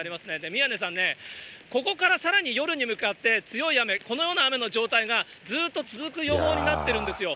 宮根さんね、ここからさらに夜に向かって、強い雨、このような雨の状態がずっと続く予報になってるんですよ。